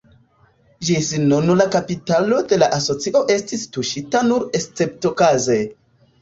Ĝis nun la kapitalo de la asocio estis tuŝita nur esceptokaze.